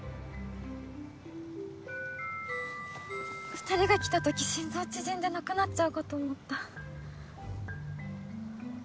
二人が来たとき心臓縮んでなくなっちゃうかと思った